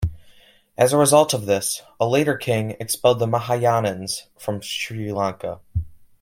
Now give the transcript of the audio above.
As a result of this, a later king expelled the Mahayanins from Sri Lanka.